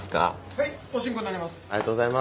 はいおしんこになります。